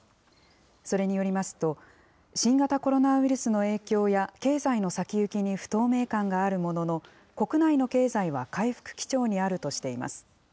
それによりますと、新型コロナウイルスの影響や、経済の先行きに不透明感があるものの、国内の経済は回復基調にあるとしています。